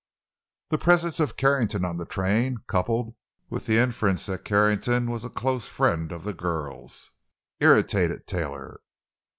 The presence of Carrington on the train, coupled with the inference that Carrington was a close friend of the girl's, irritated Taylor.